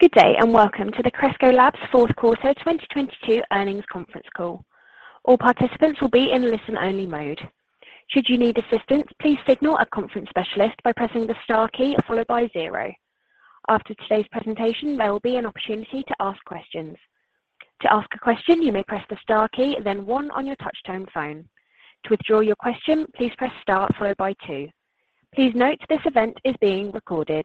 Good day, welcome to the Cresco Labs Q4 2022 Earnings Conference Call. All participants will be in listen-only mode. Should you need assistance, please signal a conference specialist by pressing the star key followed by 0. After today's presentation, there will be an opportunity to ask questions. To ask a question, you may press the star key, then 1 on your touchtone phone. To withdraw your question, please press star followed by 2. Please note this event is being recorded.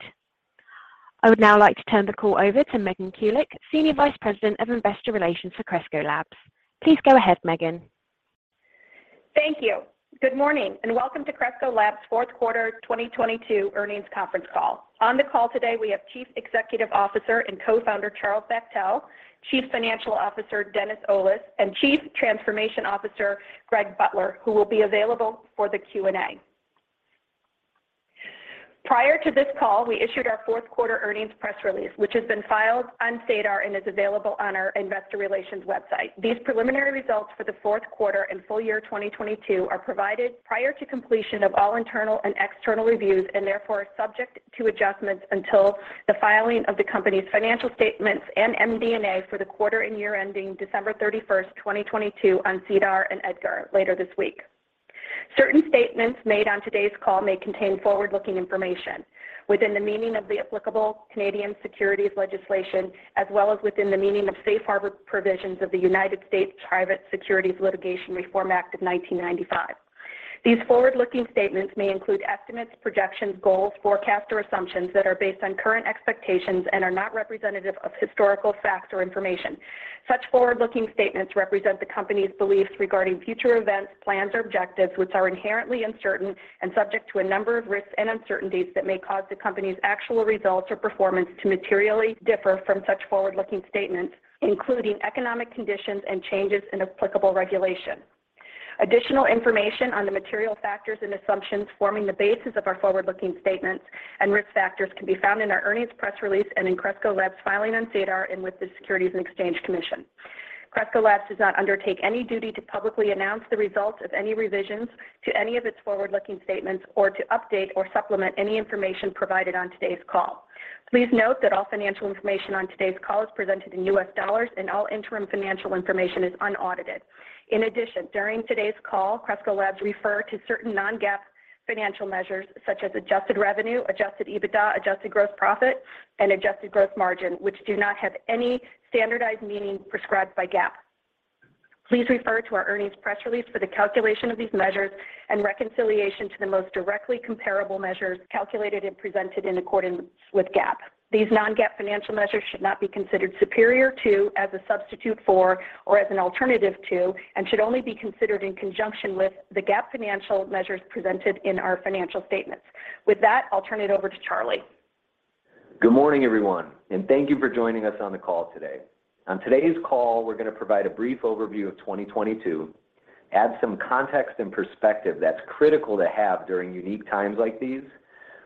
I would now like to turn the call over to Megan Kulick, Senior Vice President of Investor Relations for Cresco Labs. Please go ahead, Megan. Thank you. Good morning, and welcome to Cresco Labs' Q4 2022 Earnings Conference Call. On the call today, we have Chief Executive Officer and Co-founder, Charlie Bachtell, Chief Financial Officer, Dennis Olis, and Chief Transformation Officer, Greg Butler, who will be available for the Q&A. Prior to this call, we issued our Q4 earnings press release, which has been filed on SEDAR and is available on our investor relations website. These preliminary results for the Q4 and full year 2022 are provided prior to completion of all internal and external reviews, and therefore are subject to adjustments until the filing of the company's financial statements and MD&A for the quarter and year ending December 31st, 2022 on SEDAR and EDGAR later this week. Certain statements made on today's call may contain forward-looking information within the meaning of the applicable Canadian securities legislation as well as within the meaning of safe harbor provisions of the United States Private Securities Litigation Reform Act of 1995. These forward-looking statements may include estimates, projections, goals, forecasts, or assumptions that are based on current expectations and are not representative of historical fact or information. Such forward-looking statements represent the company's beliefs regarding future events, plans, or objectives, which are inherently uncertain and subject to a number of risks and uncertainties that may cause the company's actual results or performance to materially differ from such forward-looking statements, including economic conditions and changes in applicable regulation. Additional information on the material factors and assumptions forming the basis of our forward-looking statements and risk factors can be found in our earnings press release and in Cresco Labs' filing on SEDAR and with the Securities and Exchange Commission. Cresco Labs does not undertake any duty to publicly announce the results of any revisions to any of its forward-looking statements or to update or supplement any information provided on today's call. Please note that all financial information on today's call is presented in US dollars, and all interim financial information is unaudited. In addition, during today's call, Cresco Labs refer to certain non-GAAP financial measures such as adjusted revenue, adjusted EBITDA, adjusted gross profit, and adjusted gross margin, which do not have any standardized meaning prescribed by GAAP. Please refer to our earnings press release for the calculation of these measures and reconciliation to the most directly comparable measures calculated and presented in accordance with GAAP. These non-GAAP financial measures should not be considered superior to, as a substitute for, or as an alternative to, and should only be considered in conjunction with the GAAP financial measures presented in our financial statements. With that, I'll turn it over to Charlie. Good morning, everyone, thank you for joining us on the call today. On today's call, we're gonna provide a brief overview of 2022, add some context and perspective that's critical to have during unique times like these,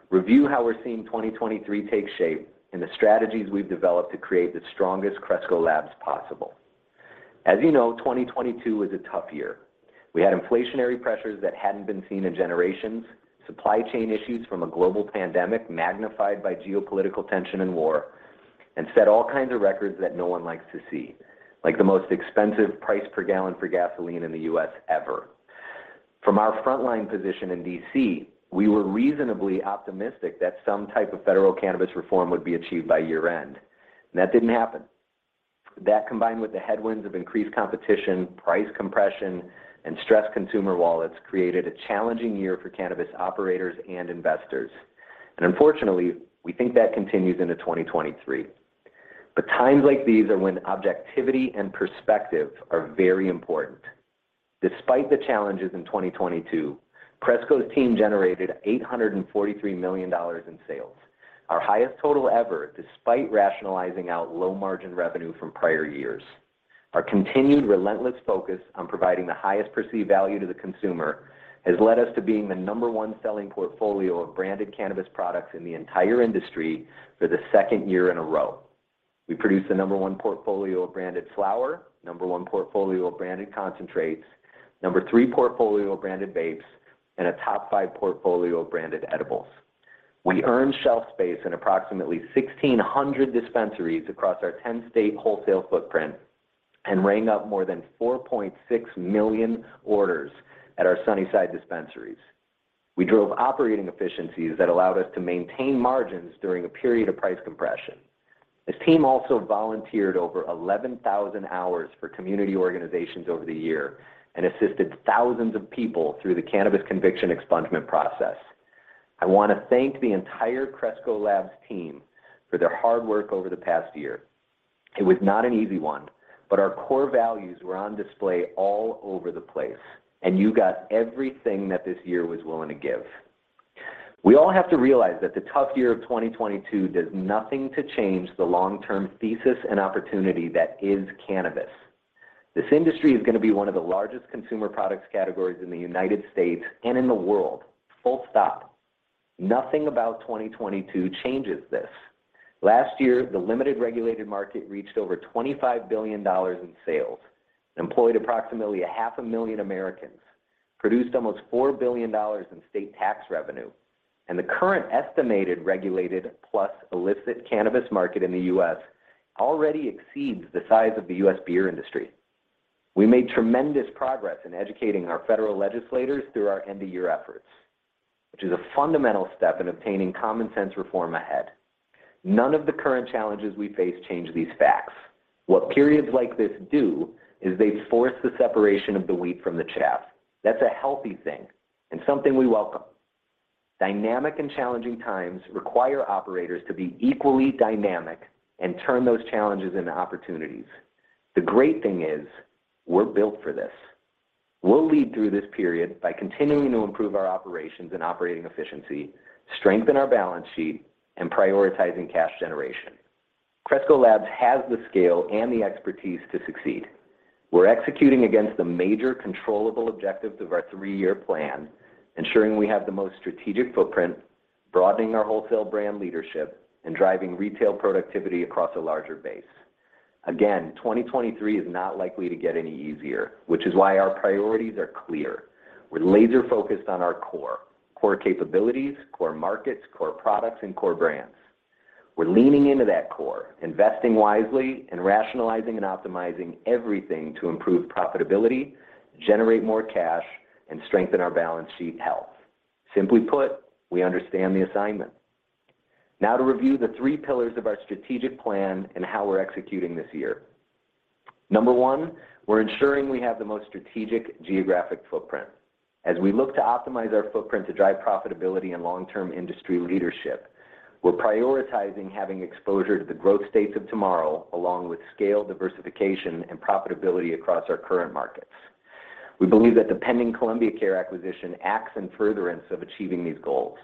review how we're seeing 2023 take shape and the strategies we've developed to create the strongest Cresco Labs possible. As you know, 2022 was a tough year. We had inflationary pressures that hadn't been seen in generations, supply chain issues from a global pandemic magnified by geopolitical tension and war, and set all kinds of records that no one likes to see, like the most expensive price per gallon for gasoline in the U.S. ever. From our frontline position in D.C., we were reasonably optimistic that some type of federal cannabis reform would be achieved by year-end, and that didn't happen. Combined with the headwinds of increased competition, price compression, and stressed consumer wallets, created a challenging year for cannabis operators and investors. Unfortunately, we think that continues into 2023. Times like these are when objectivity and perspective are very important. Despite the challenges in 2022, Cresco's team generated $843 million in sales, our highest total ever, despite rationalizing out low-margin revenue from prior years. Our continued relentless focus on providing the highest perceived value to the consumer has led us to being the number-one selling portfolio of branded cannabis products in the entire industry for the second year in a row. We produced the number-one portfolio of branded flower, number-one portfolio of branded concentrates, number-three portfolio of branded vapes, and a top-five portfolio of branded edibles. We earned shelf space in approximately 1,600 dispensaries across our 10-state wholesale footprint and rang up more than 4.6 million orders at our Sunnyside dispensaries. We drove operating efficiencies that allowed us to maintain margins during a period of price compression. This team also volunteered over 11,000 hours for community organizations over the year and assisted thousands of people through the cannabis conviction expungement process. I wanna thank the entire Cresco Labs team for their hard work over the past year. It was not an easy one, but our core values were on display all over the place, and you got everything that this year was willing to give. We all have to realize that the tough year of 2022 does nothing to change the long-term thesis and opportunity that is cannabis. This industry is gonna be one of the largest consumer products categories in the United States and in the world, full stop. Nothing about 2022 changes this. Last year, the limited regulated market reached over $25 billion in sales, employed approximately a 500,000 Americans. Produced almost $4 billion in state tax revenue and the current estimated regulated plus illicit cannabis market in the U.S. already exceeds the size of the U.S. beer industry. We made tremendous progress in educating our federal legislators through our end-of-year efforts, which is a fundamental step in obtaining common sense reform ahead. None of the current challenges we face change these facts. What periods like this do is they force the separation of the wheat from the chaff. That's a healthy thing and something we welcome. Dynamic and challenging times require operators to be equally dynamic and turn those challenges into opportunities. The great thing is, we're built for this. We'll lead through this period by continuing to improve our operations and operating efficiency, strengthen our balance sheet, and prioritizing cash generation. Cresco Labs has the scale and the expertise to succeed. We're executing against the major controllable objectives of our three-year plan, ensuring we have the most strategic footprint, broadening our wholesale brand leadership, and driving retail productivity across a larger base. 2023 is not likely to get any easier, which is why our priorities are clear. We're laser-focused on our core capabilities, core markets, core products, and core brands. We're leaning into that core, investing wisely and rationalizing and optimizing everything to improve profitability, generate more cash, and strengthen our balance sheet health. Simply put, we understand the assignment. To review the three pillars of our strategic plan and how we're executing this year. Number one, we're ensuring we have the most strategic geographic footprint. We look to optimize our footprint to drive profitability and long-term industry leadership, we're prioritizing having exposure to the growth states of tomorrow, along with scale, diversification, and profitability across our current markets. We believe that the pending Columbia Care acquisition acts in furtherance of achieving these goals.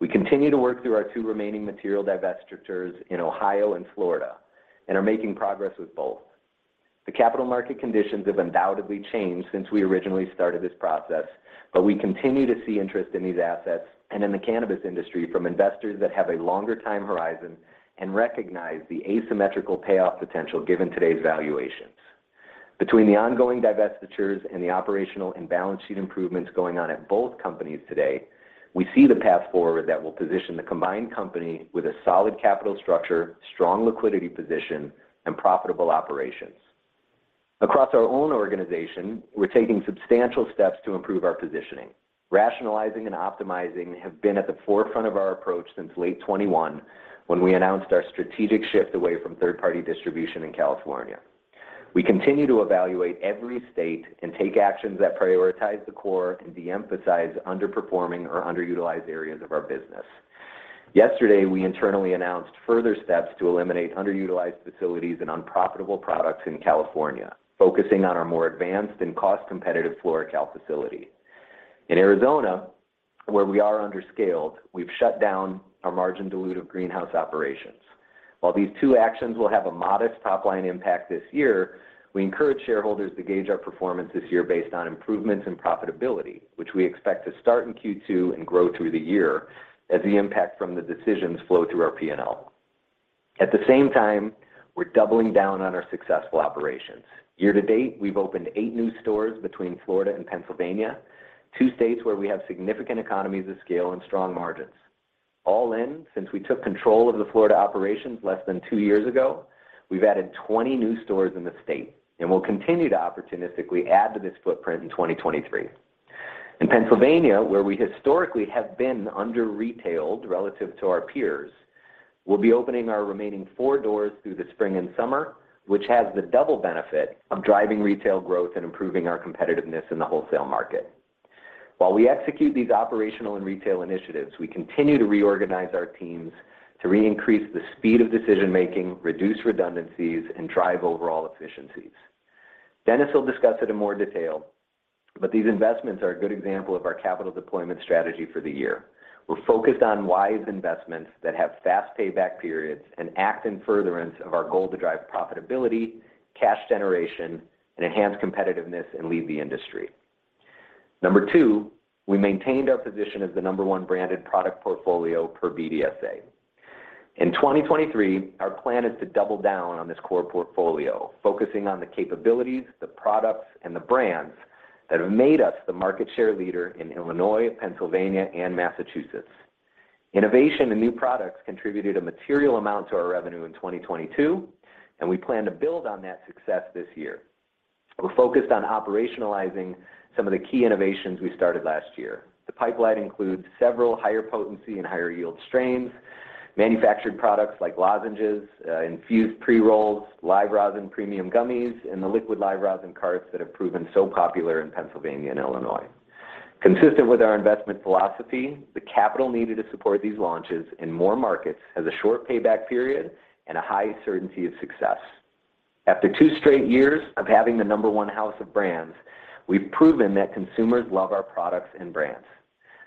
We continue to work through our two remaining material divestitures in Ohio and Florida and are making progress with both. The capital market conditions have undoubtedly changed since we originally started this process, but we continue to see interest in these assets and in the cannabis industry from investors that have a longer time horizon and recognize the asymmetrical payoff potential given today's valuations. Between the ongoing divestitures and the operational and balance sheet improvements going on at both companies today, we see the path forward that will position the combined company with a solid capital structure, strong liquidity position, and profitable operations. Across our own organization, we're taking substantial steps to improve our positioning. Rationalizing and optimizing have been at the forefront of our approach since late 2021 when we announced our strategic shift away from third-party distribution in California. We continue to evaluate every state and take actions that prioritize the core and de-emphasize underperforming or underutilized areas of our business. Yesterday, we internally announced further steps to eliminate underutilized facilities and unprofitable products in California, focusing on our more advanced and cost-competitive FloraCal facility. In Arizona, where we are under-scaled, we've shut down our margin-dilutive greenhouse operations. While these two actions will have a modest top-line impact this year, we encourage shareholders to gauge our performance this year based on improvements in profitability, which we expect to start in Q2 and grow through the year as the impact from the decisions flow through our P&L. At the same time, we're doubling down on our successful operations. Year to date, we've opened eight new stores between Florida and Pennsylvania, two states where we have significant economies of scale and strong margins. All in, since we took control of the Florida operations less than two years ago, we've added 20 new stores in the state, and we'll continue to opportunistically add to this footprint in 2023. In Pennsylvania, where we historically have been under-retailed relative to our peers, we'll be opening our remaining four doors through the spring and summer, which has the double benefit of driving retail growth and improving our competitiveness in the wholesale market. While we execute these operational and retail initiatives, we continue to reorganize our teams to re-increase the speed of decision-making, reduce redundancies, and drive overall efficiencies. Dennis will discuss it in more detail, but these investments are a good example of our capital deployment strategy for the year. We're focused on wise investments that have fast payback periods and act in furtherance of our goal to drive profitability, cash generation, and enhance competitiveness and lead the industry. Number two, we maintained our position as the number one branded product portfolio per BDSA. In 2023, our plan is to double down on this core portfolio, focusing on the capabilities, the products, and the brands that have made us the market share leader in Illinois, Pennsylvania, and Massachusetts. Innovation and new products contributed a material amount to our revenue in 2022, and we plan to build on that success this year. We're focused on operationalizing some of the key innovations we started last year. The pipeline includes several higher potency and higher yield strains, manufactured products like lozenges, infused pre-rolls, Live Rosin premium gummies, and the liquid Live Rosin carts that have proven so popular in Pennsylvania and Illinois. Consistent with our investment philosophy, the capital needed to support these launches in more markets has a short payback period and a high certainty of success. After two straight years of having the number one house of brands, we've proven that consumers love our products and brands.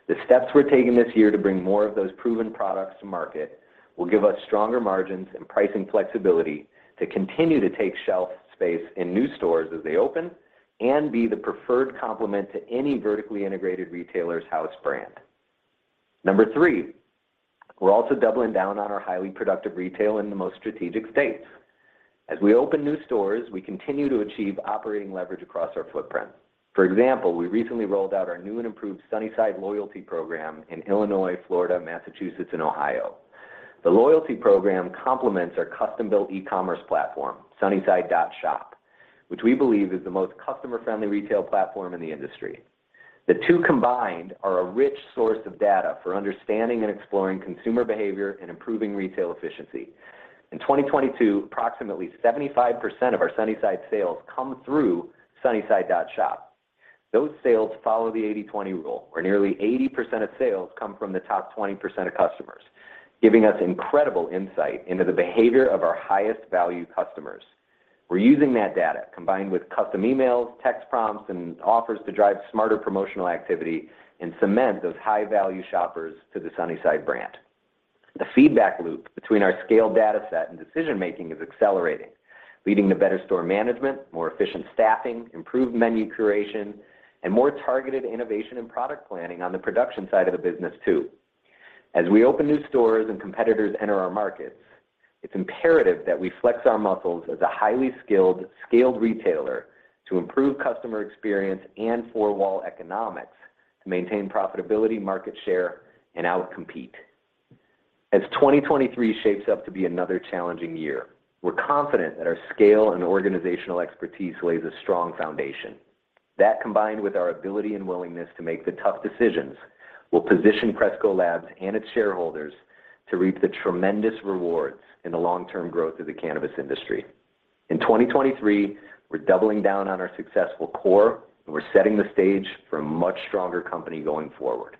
The steps we're taking this year to bring more of those proven products to market will give us stronger margins and pricing flexibility to continue to take shelf space in new stores as they open and be the preferred complement to any vertically integrated retailer's house brand. Number three, we're also doubling down on our highly productive retail in the most strategic states. As we open new stores, we continue to achieve operating leverage across our footprint. For example, we recently rolled out our new and improved Sunnyside loyalty program in Illinois, Florida, Massachusetts, and Ohio. The loyalty program complements our custom-built e-commerce platform, sunnyside.shop, which we believe is the most customer-friendly retail platform in the industry. The two combined are a rich source of data for understanding and exploring consumer behavior and improving retail efficiency. In 2022, approximately 75% of our Sunnyside sales come through sunnyside.shop. Those sales follow the 80/20 rule, where nearly 80% of sales come from the top 20% of customers, giving us incredible insight into the behavior of our highest value customers. We're using that data, combined with custom emails, text prompts, and offers to drive smarter promotional activity and cement those high-value shoppers to the Sunnyside brand. The feedback loop between our scaled data set and decision-making is accelerating, leading to better store management, more efficient staffing, improved menu curation, and more targeted innovation and product planning on the production side of the business, too. As we open new stores and competitors enter our markets, it's imperative that we flex our muscles as a highly skilled, scaled retailer to improve customer experience and four-wall economics to maintain profitability, market share, and out-compete. As 2023 shapes up to be another challenging year, we're confident that our scale and organizational expertise lays a strong foundation. That, combined with our ability and willingness to make the tough decisions, will position Cresco Labs and its shareholders to reap the tremendous rewards in the long-term growth of the cannabis industry. In 2023, we're doubling down on our successful core, and we're setting the stage for a much stronger company going forward.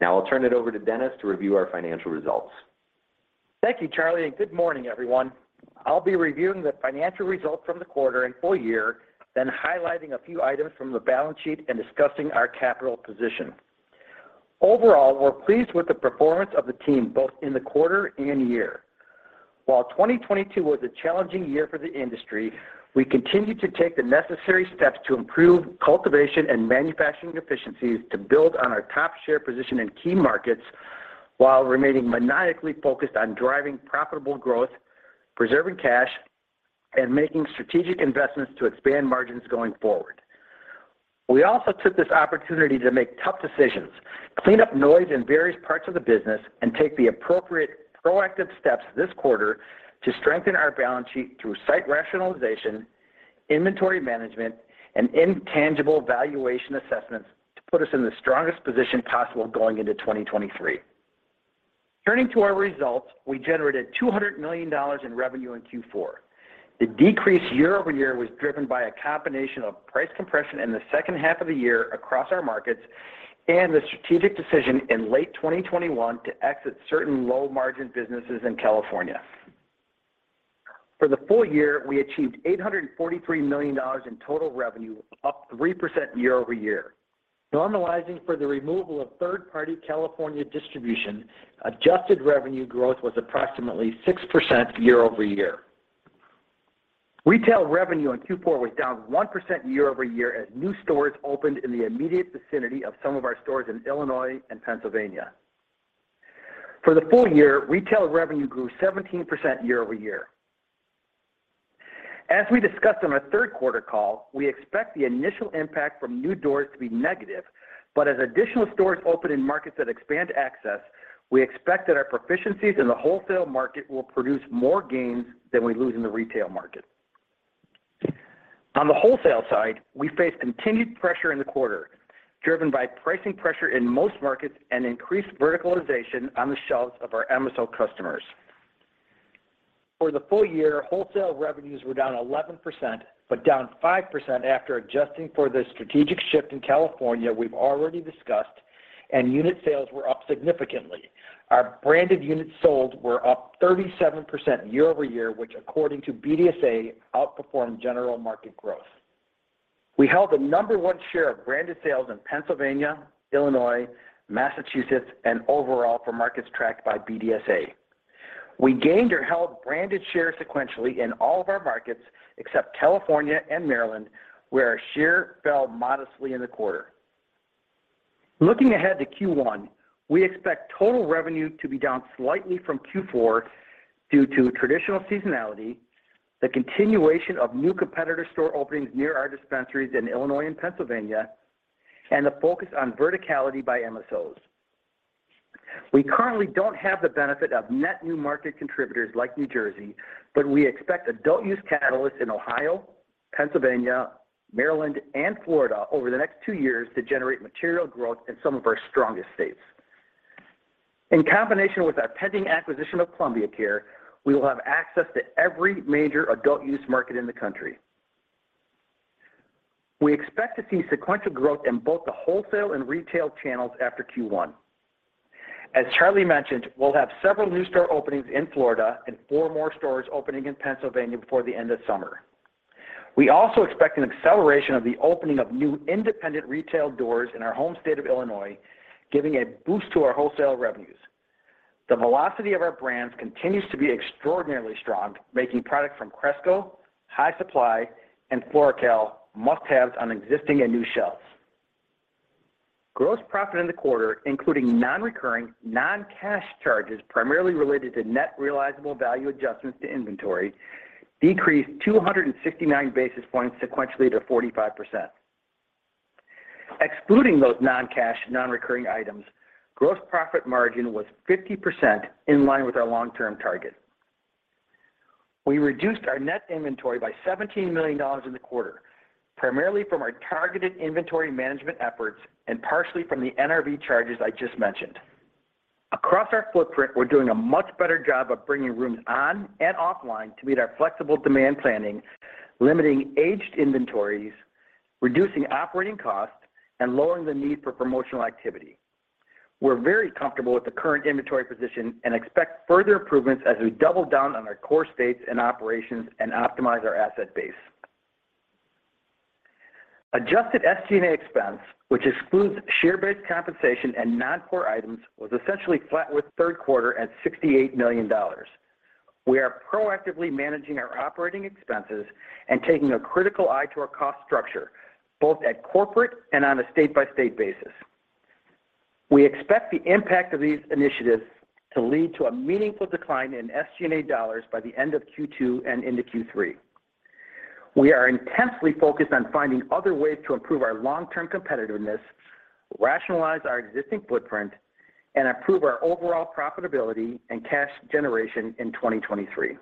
Now I'll turn it over to Dennis to review our financial results. Thank you, Charlie, good morning, everyone. I'll be reviewing the financial results from the quarter and full year, then highlighting a few items from the balance sheet and discussing our capital position. Overall, we're pleased with the performance of the team, both in the quarter and year. While 2022 was a challenging year for the industry, we continued to take the necessary steps to improve cultivation and manufacturing efficiencies to build on our top share position in key markets while remaining maniacally focused on driving profitable growth, preserving cash, and making strategic investments to expand margins going forward. We also took this opportunity to make tough decisions, clean up noise in various parts of the business, and take the appropriate proactive steps this quarter to strengthen our balance sheet through site rationalization, inventory management, and intangible valuation assessments to put us in the strongest position possible going into 2023. Turning to our results, we generated $200 million in revenue in Q4. The decrease year-over-year was driven by a combination of price compression in the second half of the year across our markets and the strategic decision in late 2021 to exit certain low-margin businesses in California. For the full year, we achieved $843 million in total revenue, up 3% year-over-year. Normalizing for the removal of third-party California distribution, adjusted revenues growth was approximately 6% year-over-year. Retail revenue in Q4 was down 1% year-over-year as new stores opened in the immediate vicinity of some of our stores in Illinois and Pennsylvania. For the full year, retail revenue grew 17% year-over-year. As we discussed on our third quarter call, we expect the initial impact from new doors to be negative, but as additional stores open in markets that expand access, we expect that our proficiencies in the wholesale market will produce more gains than we lose in the retail market. On the wholesale side, we faced continued pressure in the quarter, driven by pricing pressure in most markets and increased verticalization on the shelves of our MSO customers. For the full year, wholesale revenues were down 11%, but down 5% after adjusting for the strategic shift in California we've already discussed, and unit sales were up significantly. Our branded units sold were up 37% year-over-year, which according to BDSA outperformed general market growth. We held the number 1 share of branded sales in Pennsylvania, Illinois, Massachusetts, and overall for markets tracked by BDSA. We gained or held branded share sequentially in all of our markets except California and Maryland, where our share fell modestly in the quarter. Looking ahead to Q1, we expect total revenue to be down slightly from Q4 due to traditional seasonality, the continuation of new competitor store openings near our dispensaries in Illinois and Pennsylvania, and the focus on verticality by MSOs. We currently don't have the benefit of net new market contributors like New Jersey, but we expect adult use catalysts in Ohio, Pennsylvania, Maryland, and Florida over the next two years to generate material growth in some of our strongest states. In combination with our pending acquisition of Columbia Care, we will have access to every major adult use market in the country. We expect to see sequential growth in both the wholesale and retail channels after Q1. As Charlie mentioned, we'll have several new store openings in Florida and four more stores opening in Pennsylvania before the end of summer. We also expect an acceleration of the opening of new independent retail doors in our home state of Illinois, giving a boost to our wholesale revenues. The velocity of our brands continues to be extraordinarily strong, making products from Cresco, High Supply, and FloraCal must-haves on existing and new shelves. Gross profit in the quarter, including non-recurring, non-cash charges primarily related to net realizable value adjustments to inventory, decreased 269 basis points sequentially to 45%. Excluding those non-cash, non-recurring items, gross profit margin was 50% in line with our long-term target. We reduced our net inventory by $17 million in the quarter, primarily from our targeted inventory management efforts and partially from the NRV charges I just mentioned. Across our footprint, we're doing a much better job of bringing rooms on and offline to meet our flexible demand planning, limiting aged inventories, reducing operating costs, and lowering the need for promotional activity. We're very comfortable with the current inventory position and expect further improvements as we double down on our core states and operations and optimize our asset base. Adjusted SG&A expense, which excludes share-based compensation and non-core items, was essentially flat with third quarter at $68 million. We are proactively managing our operating expenses and taking a critical eye to our cost structure, both at corporate and on a state-by-state basis. We expect the impact of these initiatives to lead to a meaningful decline in SG&A dollars by the end of Q2 and into Q3. We are intensely focused on finding other ways to improve our long-term competitiveness, rationalize our existing footprint, and improve our overall profitability and cash generation in 2023.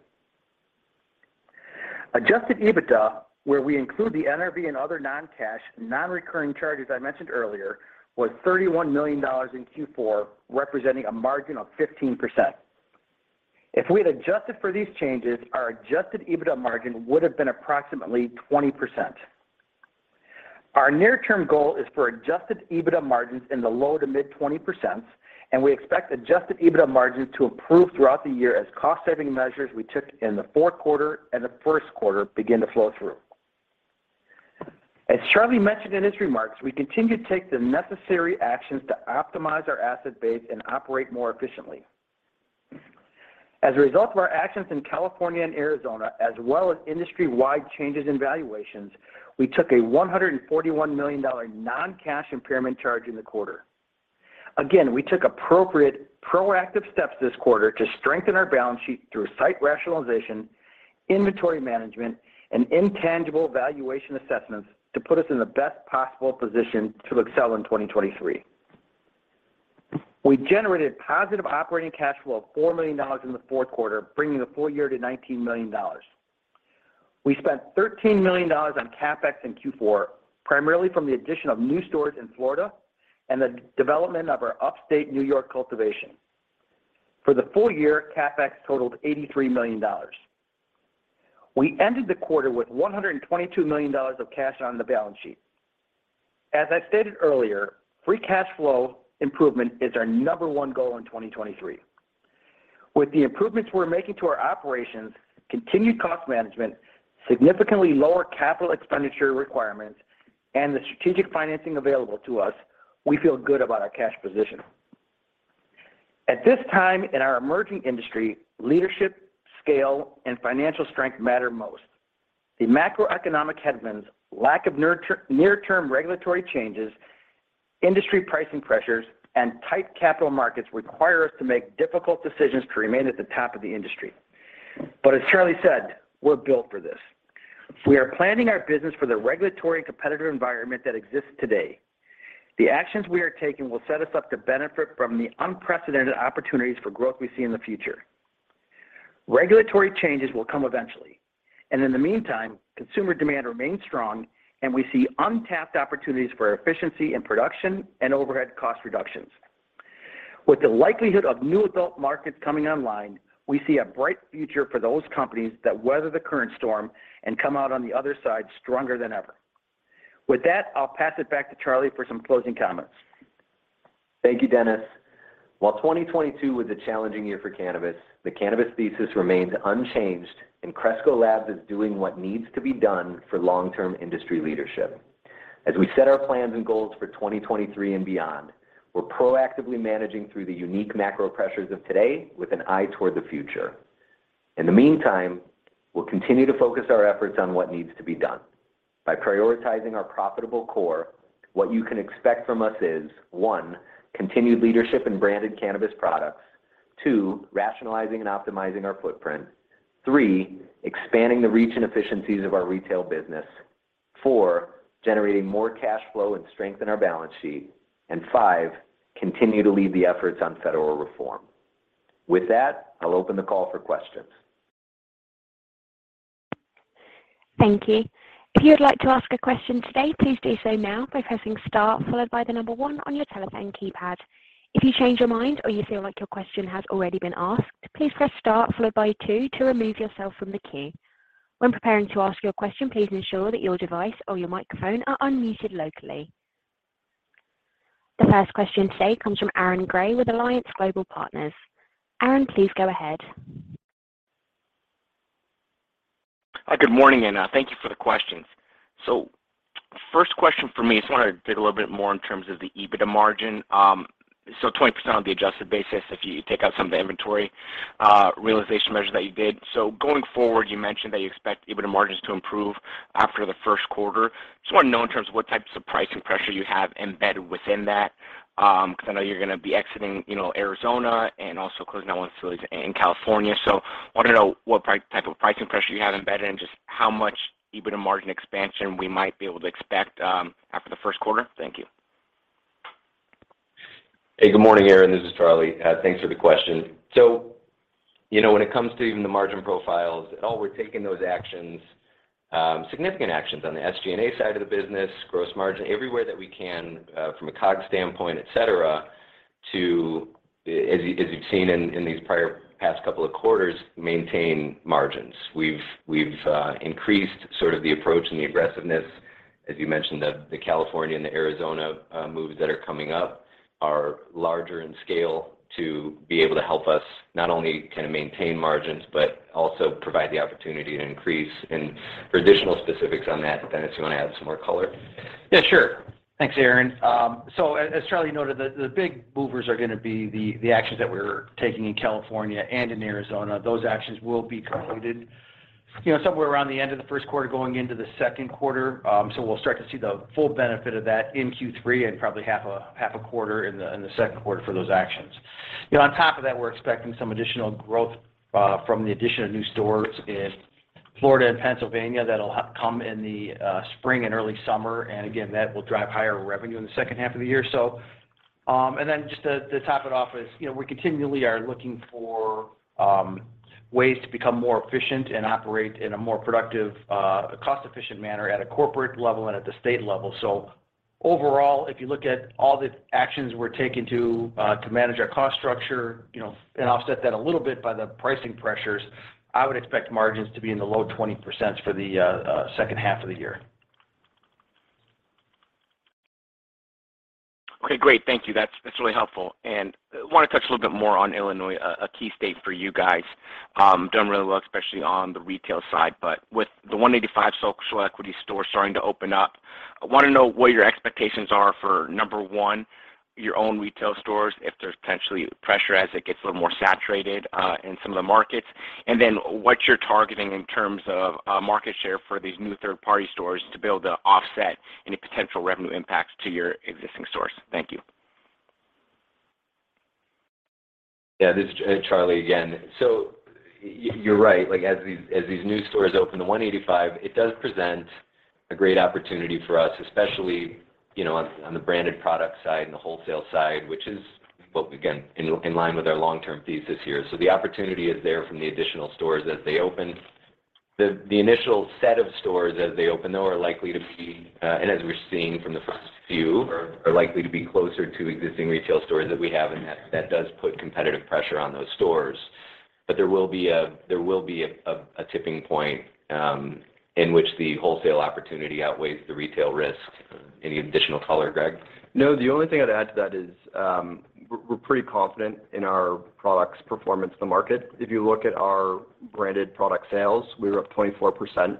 Adjusted EBITDA, where we include the NRV and other non-cash, non-recurring charges I mentioned earlier, was $31 million in Q4, representing a margin of 15%. If we had adjusted for these changes, our Adjusted EBITDA margin would have been approximately 20%. Our near-term goal is for adjusted EBITDA margins in the low to mid-20%, and we expect Adjusted EBITDA margins to improve throughout the year as cost-saving measures we took in the Q4 and the Q1 begin to flow through. As Charlie mentioned in his remarks, we continue to take the necessary actions to optimize our asset base and operate more efficiently. As a result of our actions in California and Arizona, as well as industry-wide changes in valuations, we took a $141 million non-cash impairment charge in the quarter. Again, we took appropriate proactive steps this quarter to strengthen our balance sheet through site rationalization, inventory management, and intangible valuation assessments to put us in the best possible position to excel in 2023. We generated positive operating cash flow of $4 million in the Q4, bringing the full year to $19 million. We spent $13 million on CapEx in Q4, primarily from the addition of new stores in Florida and the development of our upstate New York cultivation. For the full year, CapEx totaled $83 million. We ended the quarter with $122 million of cash on the balance sheet. As I stated earlier, free cash flow improvement is our number one goal in 2023. With the improvements we're making to our operations, continued cost management, significantly lower capital expenditure requirements, and the strategic financing available to us, we feel good about our cash position. At this time in our emerging industry, leadership, scale, and financial strength matter most. The macroeconomic headwinds, lack of near-term regulatory changes, industry pricing pressures, and tight capital markets require us to make difficult decisions to remain at the top of the industry. As Charlie said, we're built for this. We are planning our business for the regulatory competitive environment that exists today. The actions we are taking will set us up to benefit from the unprecedented opportunities for growth we see in the future. Regulatory changes will come eventually. In the meantime, consumer demand remains strong, and we see untapped opportunities for efficiency in production and overhead cost reductions. With the likelihood of new adult markets coming online, we see a bright future for those companies that weather the current storm and come out on the other side stronger than ever. With that, I'll pass it back to Charlie for some closing comments. Thank you, Dennis. While 2022 was a challenging year for cannabis, the cannabis thesis remains unchanged, and Cresco Labs is doing what needs to be done for long-term industry leadership. As we set our plans and goals for 2023 and beyond, we're proactively managing through the unique macro pressures of today with an eye toward the future. In the meantime, we'll continue to focus our efforts on what needs to be done. By prioritizing our profitable core, what you can expect from us is, on, continued leadership in branded cannabis products. two, rationalizing and optimizing our footprint. three, expanding the reach and efficiencies of our retail business. four, generating more cash flow and strength in our balance sheet. five, continue to lead the efforts on federal reform. With that, I'll open the call for questions. Thank you. If you would like to ask a question today, please do so now by pressing star followed by the number 1 on your telephone keypad. If you change your mind or you feel like your question has already been asked, please press star followed by 2 to remove yourself from the queue. When preparing to ask your question, please ensure that your device or your microphone are unmuted locally. The first question today comes from Aaron Grey with Alliance Global Partners. Aaron, please go ahead. Good morning, thank you for the questions. First question for me, just wanted to dig a little bit more in terms of the EBITDA margin. 20% on the adjusted basis if you take out some of the inventory realization measure that you did. Going forward, you mentioned that you expect EBITDA margins to improve after the first quarter. Just wanna know in terms of what types of pricing pressure you have embedded within that, 'cause I know you're gonna be exiting, you know, Arizona and also closing out one of the facilities in California. Wanna know what type of pricing pressure you have embedded and just how much EBITDA margin expansion we might be able to expect after the Q1? Thank you. Hey, good morning, Aaron. This is Charlie. Thanks for the question. You know, when it comes to even the margin profiles at all, we're taking those actions, significant actions on the SG&A side of the business, gross margin, everywhere that we can, from a COG standpoint, et cetera, to, as you've seen in these prior past couple of quarters, maintain margins. We've increased sort of the approach and the aggressiveness. As you mentioned, the California and the Arizona moves that are coming up are larger in scale to be able to help us not only kind of maintain margins, but also provide the opportunity to increase. For additional specifics on that, Dennis, you wanna add some more color? Yeah, sure. Thanks, Aaron. As Charlie noted, the big movers are gonna be the actions that we're taking in California and in Arizona. Those actions will be completed, you know, somewhere around the end of the Q1 going into the Q2. We'll start to see the full benefit of that in Q3 and probably half a quarter in the Q2 for those actions. You know, on top of that, we're expecting some additional growth from the addition of new stores in Florida and Pennsylvania that'll come in the spring and early summer, and again, that will drive higher revenue in the 2nd half of the year. Just to top it off is, you know, we continually are looking for ways to become more efficient and operate in a more productive, cost-efficient manner at a corporate level and at the state level. Overall, if you look at all the actions we're taking to manage our cost structure, you know, and offset that a little bit by the pricing pressures, I would expect margins to be in the low 20% for the second half of the year. Okay, great. Thank you. That's really helpful. Wanna touch a little bit more on Illinois, a key state for you guys, doing really well, especially on the retail side. With the 185 social equity stores starting to open up, I wanna know what your expectations are for, number one, your own retail stores, if there's potentially pressure as it gets a little more saturated, in some of the markets. Then what you're targeting in terms of market share for these new third-party stores to be able to offset any potential revenue impacts to your existing stores. Thank you. This is Charlie again. You're right. Like, as these new stores open, the 185, it does present a great opportunity for us, especially, you know, on the branded product side and the wholesale side, which is, well, again, in line with our long-term thesis here. The opportunity is there from the additional stores as they open. The initial set of stores as they open, though, are likely to be, and as we're seeing from the first few, are likely to be closer to existing retail stores that we have, and that does put competitive pressure on those stores. There will be a tipping point in which the wholesale opportunity outweighs the retail risk. Any additional color, Greg? No, the only thing I'd add to that is, we're pretty confident in our products' performance in the market. If you look at our branded product sales, we were up 24%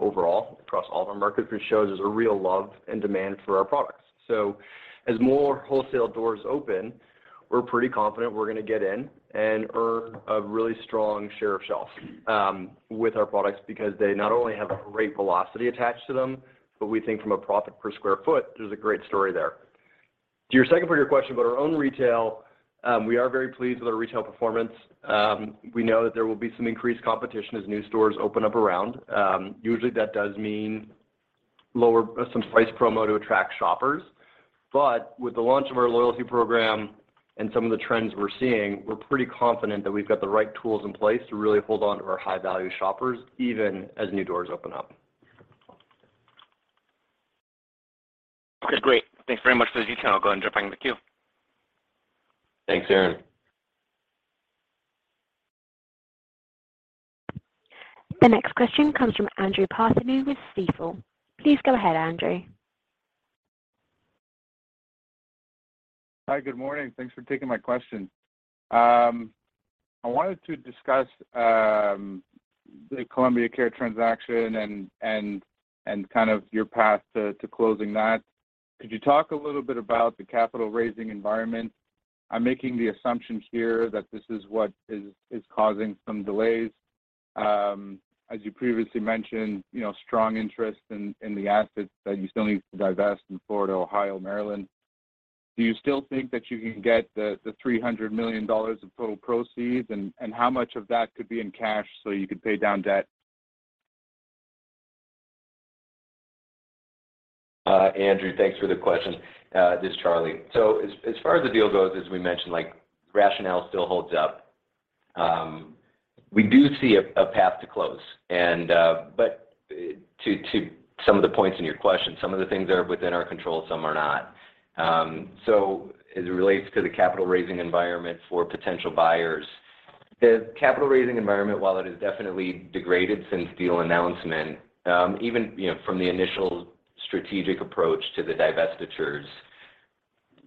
overall across all of our markets, which shows there's a real love and demand for our products. As more wholesale doors open, we're pretty confident we're gonna get in and earn a really strong share of shelf with our products because they not only have a great velocity attached to them, but we think from a profit per square foot, there's a great story there. To your second part of your question about our own retail, we are very pleased with our retail performance. We know that there will be some increased competition as new stores open up around. Usually, that does mean lower some price promo to attract shoppers. With the launch of our loyalty program and some of the trends we're seeing, we're pretty confident that we've got the right tools in place to really hold on to our high-value shoppers, even as new doors open up. Okay, great. Thanks very much to the detail. I'll go and jump back in the queue. Thanks, Aaron Grey. The next question comes from Andrew Partheniou with Stifel. Please go ahead, Andrew. Hi. Good morning. Thanks for taking my question. I wanted to discuss the Columbia Care transaction and kind of your path to closing that. Could you talk a little bit about the capital raising environment? I'm making the assumption here that this is what is causing some delays. As you previously mentioned, you know, strong interest in the assets that you still need to divest in Florida, Ohio, Maryland. Do you still think that you can get the $300 million of total proceeds, and how much of that could be in cash, so you could pay down debt? Andrew Partheniou, thanks for the question. This is Charlie. As far as the deal goes, as we mentioned, like, rationale still holds up. We do see a path to close and, but, to some of the points in your question, some of the things are within our control, some are not. As it relates to the capital raising environment for potential buyers, the capital raising environment, while it has definitely degraded since deal announcement, even, you know, from the initial strategic approach to the divestitures.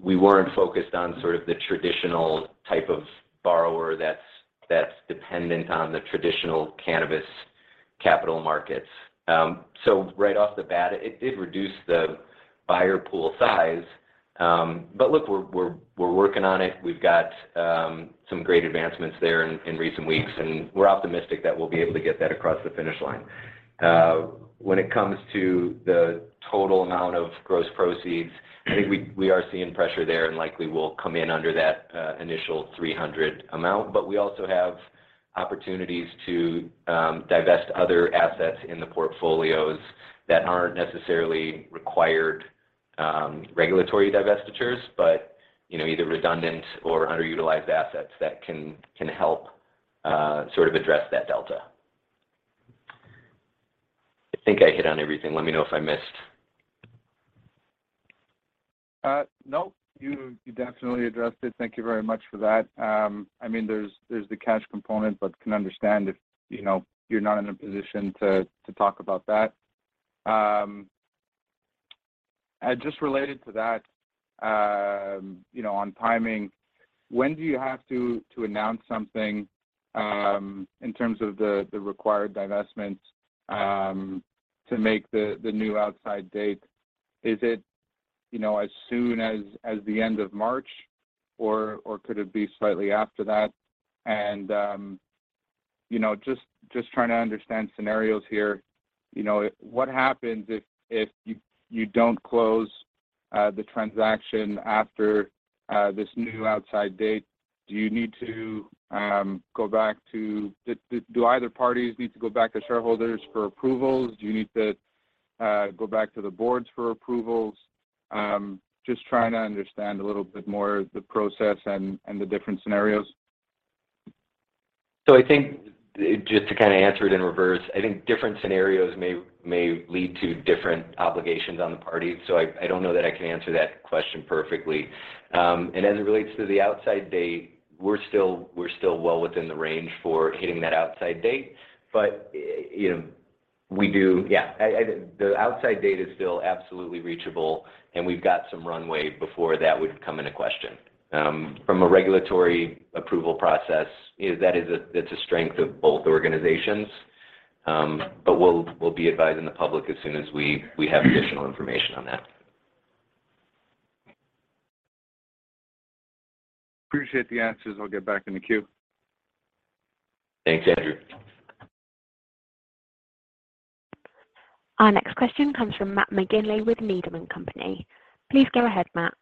We weren't focused on sort of the traditional type of borrower that's dependent on the traditional cannabis capital markets. Right off the bat, it did reduce the buyer pool size. Look, we're working on it. We've got some great advancements there in recent weeks, we're optimistic that we'll be able to get that across the finish line. When it comes to the total amount of gross proceeds, I think we are seeing pressure there likely will come in under that initial $300 amount. We also have opportunities to divest other assets in the portfolios that aren't necessarily required regulatory divestitures, but, you know, either redundant or underutilized assets that can help sort of address that delta. I think I hit on everything. Let me know if I missed. No. You definitely addressed it. Thank you very much for that. I mean, there's the cash component, but can understand if, you know, you're not in a position to talk about that. Just related to that, you know, on timing, when do you have to announce something in terms of the required divestment to make the new outside date? Is it, you know, as soon as the end of March, or could it be slightly after that? You know, just trying to understand scenarios here. You know, what happens if you don't close the transaction after this new outside date? Do either parties need to go back to shareholders for approvals? Do you need to go back to the boards for approvals? Just trying to understand a little bit more the process and the different scenarios. I think, just to kind of answer it in reverse, I think different scenarios may lead to different obligations on the parties. I don't know that I can answer that question perfectly. As it relates to the outside date, we're still well within the range for hitting that outside date. The outside date is still absolutely reachable, and we've got some runway before that would come into question. From a regulatory approval process, that is a strength of both organizations. We'll be advising the public as soon as we have additional information on that. Appreciate the answers. I'll get back in the queue. Thanks, Andrew. Our next question comes from Matt McGinley with Needham & Company. Please go ahead, Matt.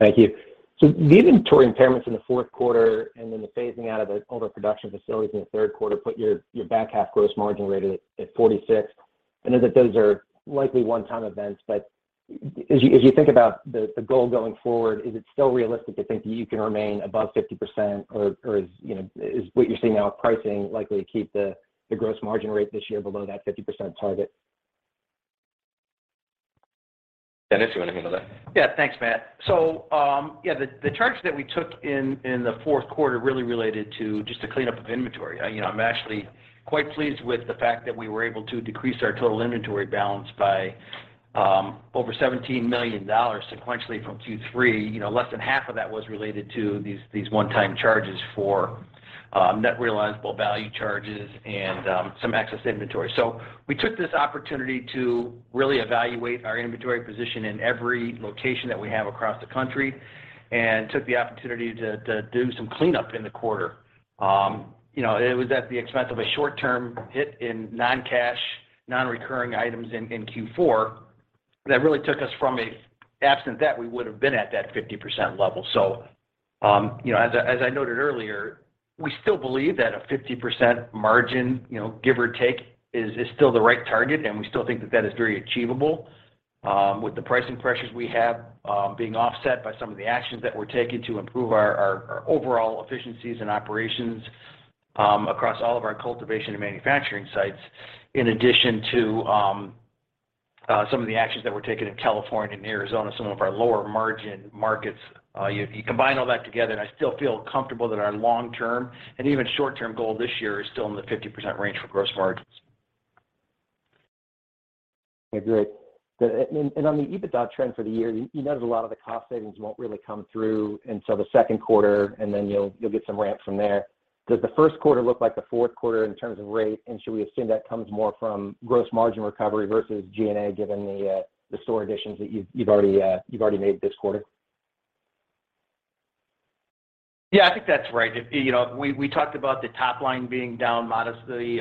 Thank you. The inventory impairments in the Q4 and then the phasing out of the overproduction facilities in the Q3 put your back half gross margin rate at 46. I know that those are likely one-time events, but as you think about the goal going forward, is it still realistic to think that you can remain above 50% or is, you know, is what you're seeing now with pricing likely to keep the gross margin rate this year below that 50% target? Dennis, you want to handle that? Yeah. Thanks, Matt. The charges that we took in the Q4 really related to just the cleanup of inventory. You know, I'm actually quite pleased with the fact that we were able to decrease our total inventory balance by over $17 million sequentially from Q3. You know, less than half of that was related to these one-time charges for net realizable value charges and some excess inventory. We took this opportunity to really evaluate our inventory position in every location that we have across the country and took the opportunity to do some cleanup in the quarter. You know, it was at the expense of a short-term hit in non-cash, non-recurring items in Q4 that really took us. Absent that, we would have been at that 50% level. You know, as I noted earlier, we still believe that a 50% margin, you know, give or take, is still the right target, and we still think that that is very achievable with the pricing pressures we have, being offset by some of the actions that we're taking to improve our overall efficiencies and operations across all of our cultivation and manufacturing sites, in addition to some of the actions that we're taking in California and Arizona, some of our lower margin markets. You combine all that together, and I still feel comfortable that our long-term and even short-term goal this year is still in the 50% range for gross margins. Okay, great. On the EBITDA trend for the year, you noted a lot of the cost savings won't really come through until the Q2, and then you'll get some ramp from there. Does the Q1 look like the Q4 in terms of rate? Should we assume that comes more from gross margin recovery versus G&A, given the store additions that you've already made this quarter? Yeah, I think that's right. You know, we talked about the top line being down modestly,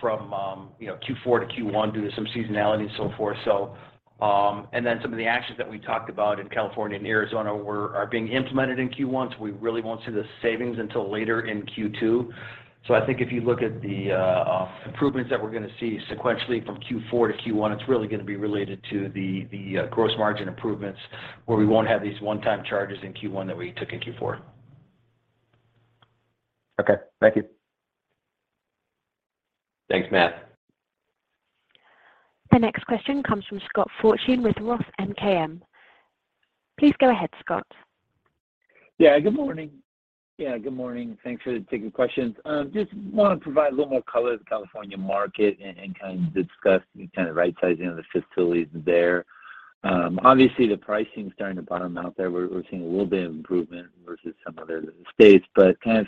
from, you know, Q4 to Q1 due to some seasonality and so forth. Some of the actions that we talked about in California and Arizona are being implemented in Q1, so we really won't see the savings until later in Q2. I think if you look at the improvements that we're going to see sequentially from Q4 to Q1, it's really going to be related to the gross margin improvements where we won't have these one-time charges in Q1 that we took in Q4. Okay. Thank you. Thanks, Matt. The next question comes from Scott Fortune with ROTH MKM. Please go ahead, Scott. Yeah. Good morning. Thanks for taking questions. Just wanna provide a little more color to the California market and kind of discuss kind of right sizing of the facilities there. Obviously, the pricing's starting to bottom out there. We're, we're seeing a little bit of improvement versus some other states, but kind of,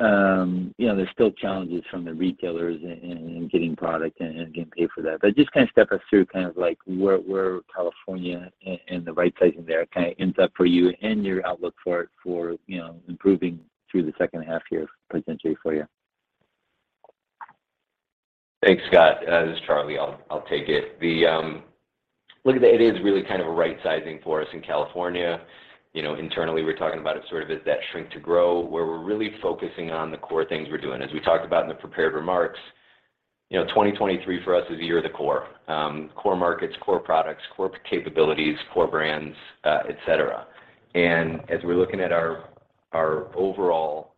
you know, there's still challenges from the retailers in getting product and getting paid for that. Just kind of step us through kind of like where California and the right sizing there kinda ends up for you and your outlook for, you know, improving through the second half year potentially for you. Thanks, Scott. This is Charlie. I'll take it. The look, it is really kind of a right sizing for us in California. You know, internally, we're talking about it sort of as that shrink to grow, where we're really focusing on the core things we're doing. As we talked about in the prepared remarks, you know, 2023 for us is the year of the core. Core markets, core products, core capabilities, core brands, et cetera. As we're looking at our overall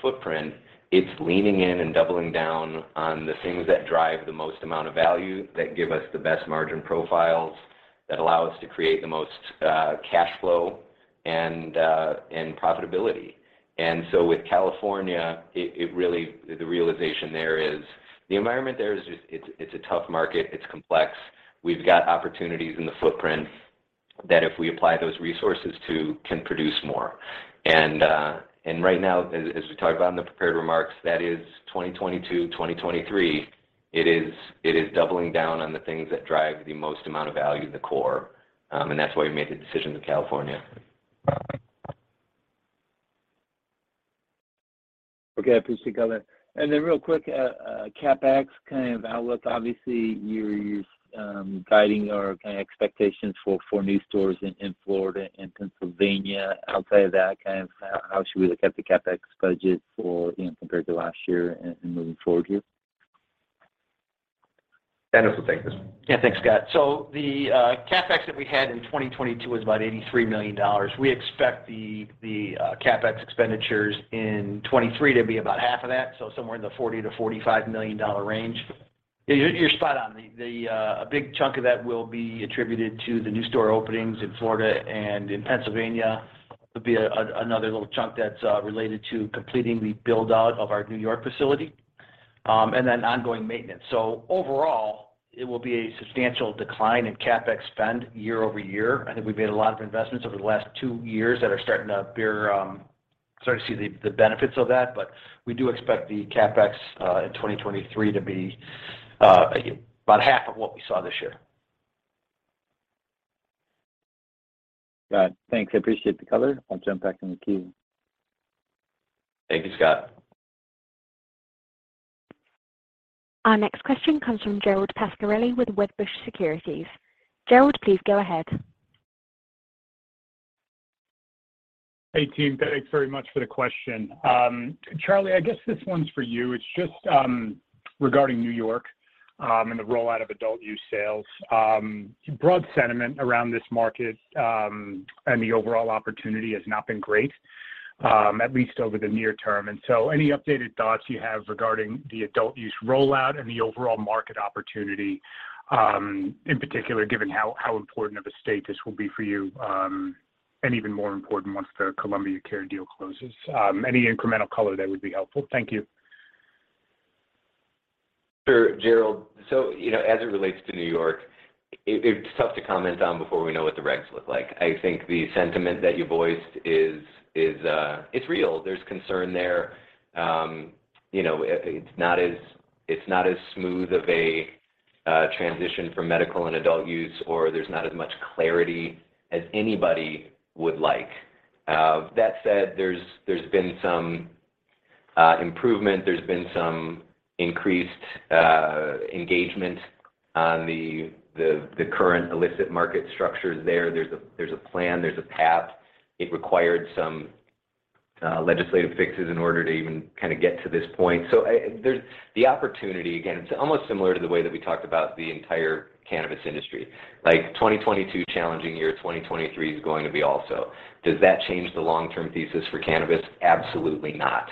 footprint, it's leaning in and doubling down on the things that drive the most amount of value, that give us the best margin profiles, that allow us to create the most cash flow and profitability. With California, it really the realization there is the environment there is just, it's a tough market. It's complex. We've got opportunities in the footprint that if we apply those resources to, can produce more. Right now, as we talked about in the prepared remarks, that is 2022, 2023, it is doubling down on the things that drive the most amount of value in the core. That's why we made the decision with California. Okay. I appreciate the color. Real quick, CapEx kind of outlook. Obviously, you're guiding our kind of expectations for new stores in Florida and Pennsylvania. Outside of that, kind of how should we look at the CapEx budget for, you know, compared to last year and moving forward here? Dennis will take this one. Thanks, Scott. The CapEx that we had in 2022 was about $83 million. We expect the CapEx expenditures in 2023 to be about half of that, so somewhere in the $40 million-$45 million range. You're spot on. The big chunk of that will be attributed to the new store openings in Florida and in Pennsylvania. There'll be another little chunk that's related to completing the build-out of our New York facility and then ongoing maintenance. Overall, it will be a substantial decline in CapEx spend year-over-year. I think we've made a lot of investments over the last two years that are starting to bear, starting to see the benefits of that. We do expect the CapEx in 2023 to be about half of what we saw this year. Got it. Thanks. I appreciate the color. I'll jump back in the queue. Thank you, Scott. Our next question comes from Gerald Pascarelli with Wedbush Securities. Gerald, please go ahead. Hey, team. Thanks very much for the question. Charlie, I guess this one's for you. It's just regarding New York and the rollout of adult use sales. Broad sentiment around this market and the overall opportunity has not been great, at least over the near term. Any updated thoughts you have regarding the adult use rollout and the overall market opportunity, in particular given how important of a state this will be for you, and even more important once the Columbia Care deal closes. Any incremental color there would be helpful. Thank you. Sure, Gerald. As it relates to New York, it's tough to comment on before we know what the regs look like. I think the sentiment that you voiced is, it's real. There's concern there. You know, it's not as smooth of a transition from medical and adult use, or there's not as much clarity as anybody would like. That said, there's been some improvement. There's been some increased engagement on the current illicit market structures there. There's a plan. There's a path. It required some legislative fixes in order to even kind of get to this point. There's the opportunity. Again, it's almost similar to the way that we talked about the entire cannabis industry. Like, 2022, challenging year. 2023 is going to be also. Does that change the long-term thesis for cannabis? Absolutely not.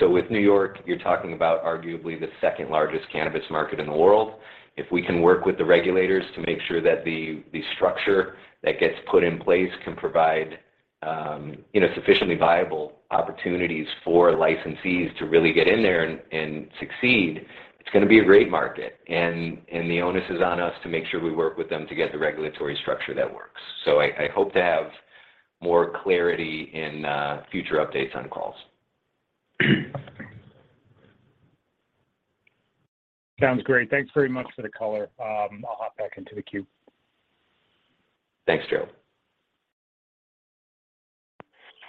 With New York, you're talking about arguably the second largest cannabis market in the world. If we can work with the regulators to make sure that the structure that gets put in place can provide, you know, sufficiently viable opportunities for licensees to really get in there and succeed, it's gonna be a great market. The onus is on us to make sure we work with them to get the regulatory structure that works. I hope to have more clarity in future updates on calls. Sounds great. Thanks very much for the color. I'll hop back into the queue. Thanks, Gerald.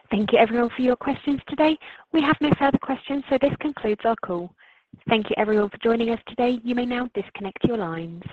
Thank you, everyone, for your questions today. We have no further questions. This concludes our call. Thank you, everyone, for joining us today. You may now disconnect your lines.